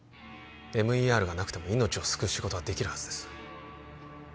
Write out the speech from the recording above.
ＭＥＲがなくても命を救う仕事はできるはずです